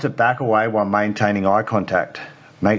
coba untuk menolak sambil menjaga kontak mata